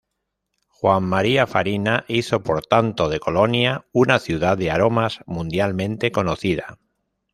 Juan María Farina hizo por tanto de Colonia una ciudad de aromas mundialmente conocida.